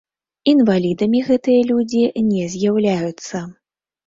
Інвалідамі гэтыя людзі не з'яўляюцца.